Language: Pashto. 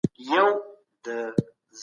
اسلامي شريعت د ټولو لپاره دی.